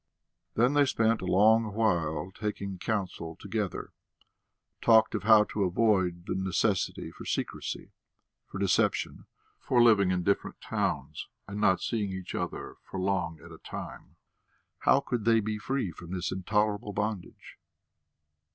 Then they spent a long while taking counsel together, talked of how to avoid the necessity for secrecy, for deception, for living in different towns and not seeing each other for long at a time. How could they be free from this intolerable bondage?